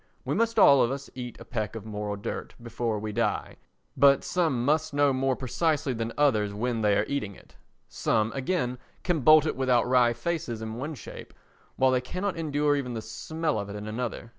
We must all of us eat a peck of moral dirt before we die, but some must know more precisely than others when they are eating it; some, again, can bolt it without wry faces in one shape, while they cannot endure even the smell of it in another.